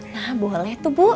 nah boleh tuh bu